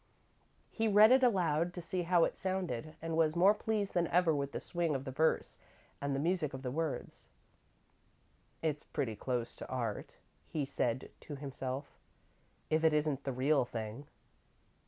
He read it aloud, to see how it sounded, and was more pleased than ever with the swing of the verse and the music of the words. "It's pretty close to art," he said to himself, "if it isn't the real thing."